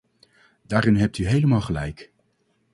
Daarin hebt u helemaal gelijk.